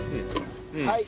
はい。